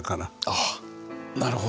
ああなるほど。